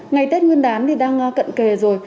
ngày tết nguyên đán thì đang cận kề rồi